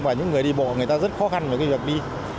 và những người đi bộ người ta rất khó khăn với cái việc đi